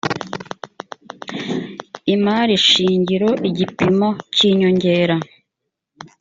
imari shingiro igipimo cy inyongera